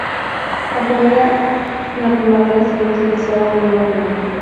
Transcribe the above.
La primavera siguiente inician una nueva colonia.